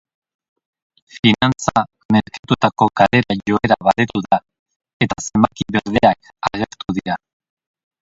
Finantza merkatuetako galera joera baretu da eta zenbaki berdeak agertu dira.